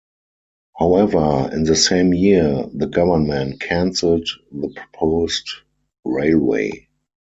However, in the same year the government cancelled the proposed railway.